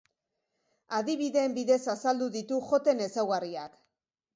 Adibideen bidez azaldu ditu joten ezaugarriak.